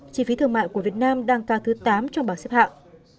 chi phí thương mại của việt nam đang cao thứ tám trong bảng xếp hạng